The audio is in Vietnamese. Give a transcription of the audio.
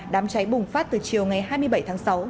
đám cháy bùng phát từ chiều ngày hai mươi bảy tháng sáu